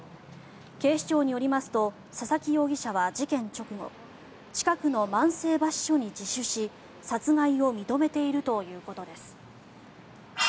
警視庁によりますと佐々木容疑者は事件直後近くの万世橋署に自首し、殺害を認めているということです。